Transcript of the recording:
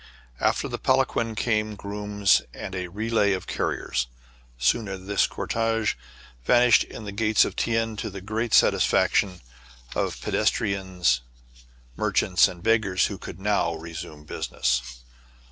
After the palanquin came grooms and a relay of carriers. Soon this cortege vanished in the Gates of Tien, to the great satisfaction of pedes î62 TRIBULATIONS OF A CHINAMAN. trians, merchants, and beggars, who could now resume business.